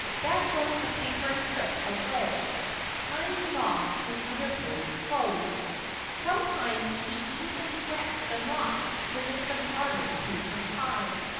That was a favorite trick of Red's tying hard knots in other boys' clothes. Sometimes he even wet the knots, to make them harder to untie.